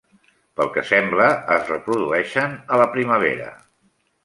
Pel que sembla, es reprodueixen a la primavera.